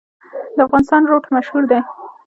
د افغانستان روټ مشهور دی